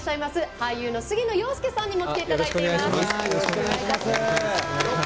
俳優の杉野遥亮さんにも来ていただいています。